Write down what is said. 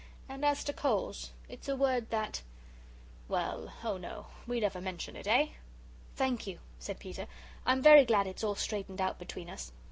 And as to coals, it's a word that well oh, no, we never mention it, eh?" "Thank you," said Peter. "I'm very glad it's all straightened out between us."